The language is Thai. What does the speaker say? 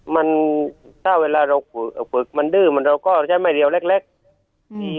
มันถ้าเวลาเราฝึกเอ่อฝึกมันดื้อมันเราก็ใช้ไม่เรียวเล็กเล็กอืม